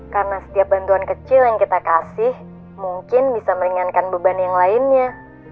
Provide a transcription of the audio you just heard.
karena setiap bantuan kecil yang kita kasih mungkin bisa meringankan beban yang lainnya